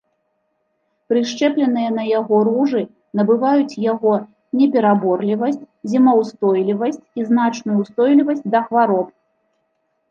Прышчэпленыя на яго ружы набываюць яго непераборлівасць, зімаўстойлівасць і значную ўстойлівасць да хвароб.